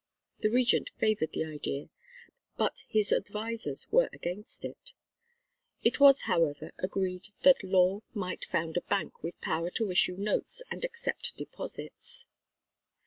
The Regent favoured the idea, but his advisers were against it; it was, however, agreed that Law might found a bank with power to issue notes and accept deposits.